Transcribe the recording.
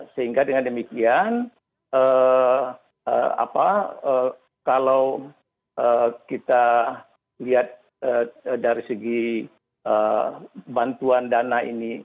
sehingga dengan demikian kalau kita lihat dari segi bantuan dana ini